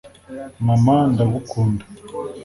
mama, ndagukunda.